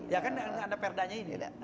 ya kan ada perdanya ini